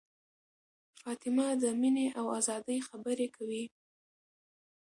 فاطمه د مینې او ازادۍ خبرې کوي.